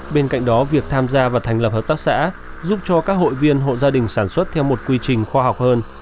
bên cạnh đó việc tham gia và thành lập hợp tác xã giúp cho các hội viên hộ gia đình sản xuất theo một quy trình khoa học hơn